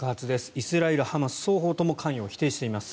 イスラエル、ハマス双方とも関与を否定しています。